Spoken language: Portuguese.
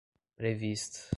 prevista